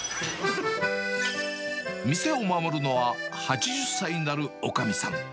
店を守るのは、８０歳になるおかみさん。